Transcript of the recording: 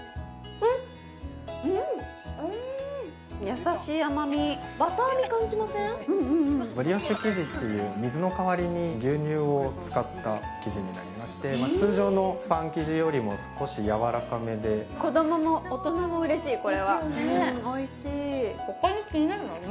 うんおいしいうんうんうんブリオッシュ生地っていう水の代わりに牛乳を使った生地になりまして通常のパン生地よりも少しやわらかめで子どもも大人もうれしいこれはですよね